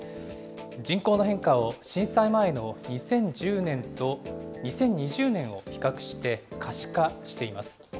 人口の変化を震災前の２０１０年と、２０２０年を比較して可視化しています。